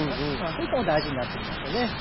そういったのも大事になってきますよね。